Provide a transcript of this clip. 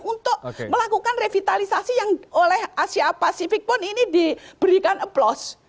untuk melakukan revitalisasi yang oleh asia pasifik pun ini diberikan aplaus